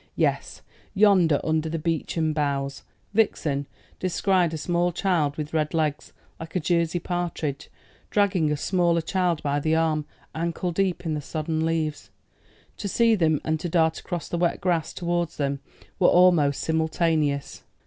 Yes; yonder under the beechen boughs Vixen descried a small child with red legs, like a Jersey partridge, dragging a smaller child by the arm, ankle deep in the sodden leaves. To see them, and to dart across the wet grass towards them were almost simultaneous.